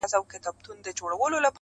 گراني زر واره درتا ځار سمه زه